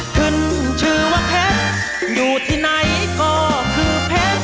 ขึ้นชื่อว่าเพชรอยู่ที่ไหนก็คือเพชร